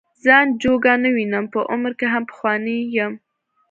ځان جوګه نه وینم په عمر کې هم پخوانی یم.